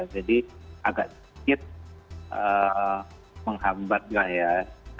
jadi agak sedikit menghambatnya ya